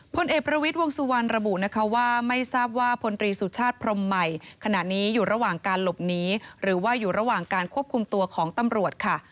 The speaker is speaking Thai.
พลเอกประวิทย์วงสุวรรณระบุนะคะว่าไม่ทราบว่าพลตรีสุชาติพรมใหม่ขณะนี้อยู่ระหว่างการหลบหนีหรือว่าอยู่ระหว่างการควบคุมตัวของตำรวจค่ะ